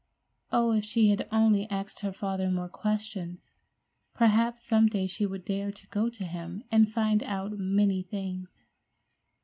Oh, if she had only asked her father more questions! Perhaps some day she would dare to go to him and find out many things.